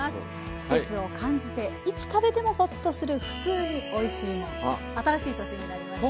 季節を感じていつ食べてもほっとする新しい年になりました。